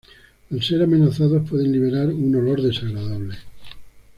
Al ser amenazados pueden liberar un olor desagradable.